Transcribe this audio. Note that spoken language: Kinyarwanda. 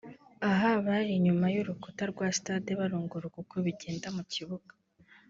aha bari inyuma y’urukuta rwa stade barunguruka uko bigenda mu kibuga